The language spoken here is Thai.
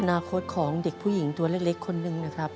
อนาคตของเด็กผู้หญิงตัวเล็กคนหนึ่งนะครับ